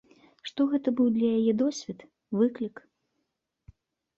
Што гэта быў для яе досвед, выклік.